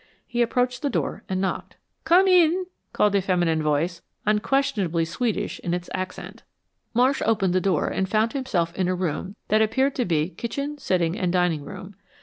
He approached the door and knocked. "Come in," called a feminine voice, unquestionably Swedish in its accent. Marsh opened the door and found himself in a room that appeared to be kitchen, sitting and dining room.